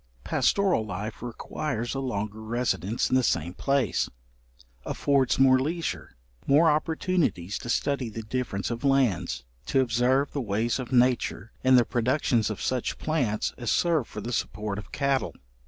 Pastoral life requires a longer residence in the same place, affords more leisure, more opportunities to study the difference of lands, to observe the ways of nature in the productions of such plants as serve for the support of cattle.